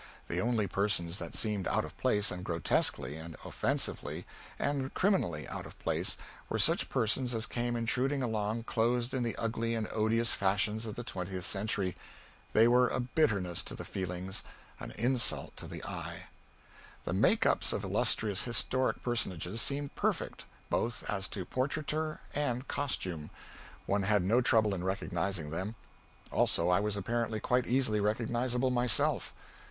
the only persons that seemed out of place, and grotesquely and offensively and criminally out of place were such persons as came intruding along clothed in the ugly and odious fashions of the twentieth century; they were a bitterness to the feelings, an insult to the eye. The make ups of illustrious historic personages seemed perfect, both as to portraiture and costume; one had no trouble in recognizing them. Also, I was apparently quite easily recognizable myself.